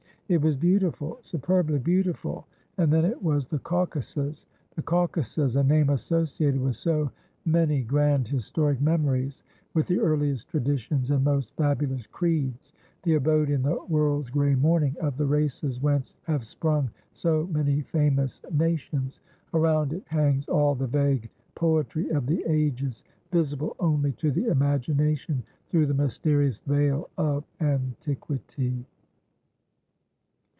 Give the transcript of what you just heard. It was beautiful, superbly beautiful, and then it was the Caucasus! The Caucasus a name associated with so many grand historic memories, with the earliest traditions and most fabulous creeds the abode, in the world's grey morning, of the races whence have sprung so many famous nations. Around it hangs all the vague poetry of the ages, visible only to the imagination through the mysterious veil of antiquity."